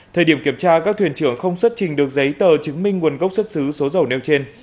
thời điểm kiểm tra các thuyền trưởng không xuất trình được giấy tờ chứng minh nguồn gốc xuất xứ số dầu nêu trên